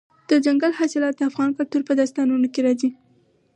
دځنګل حاصلات د افغان کلتور په داستانونو کې راځي.